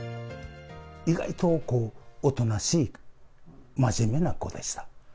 意外とおとなしい、真面目な子でした。